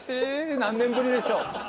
何年ぶりでしょう。